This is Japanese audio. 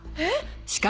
えっ！